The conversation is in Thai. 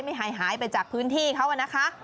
ไม่หายไปจากพื้นที่เข้ามานะคะ